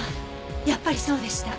やっぱりそうでした。